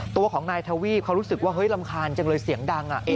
ตัวของนายทวีปเขารู้สึกว่าเฮ้ยรำคาญจังเลยเสียงดัง